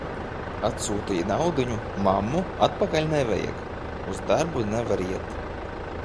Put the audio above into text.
Atsūtīja naudiņu: "Mammu, atpakaļ nevajag." Uz darbu nevar iet.